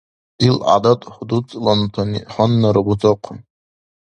Ил гӀядат худуцӀлантани гьаннара бузахъу.